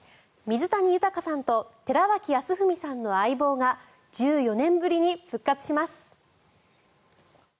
水谷豊さんと寺脇康文さんの「相棒」が１４年ぶりに復活します。